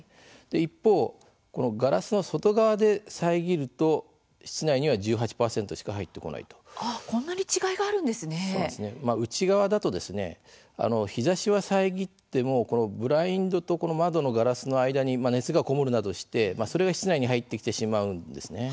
一方、ガラスの外側で遮ると室内にはこんなに違いが内側だと日ざしは遮ってもこのブラインドと、この窓のガラスの間に熱が籠もるなどしてそれが室内に入ってきてしまうんですね。